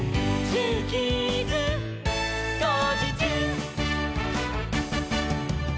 「ジューキーズこうじちゅう！」